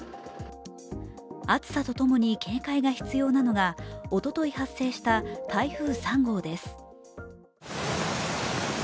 暑さとともに警戒が必要なのが、おととい発生した台風３号です。